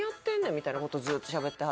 みたいな事をずっとしゃべってはって。